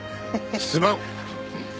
すまん。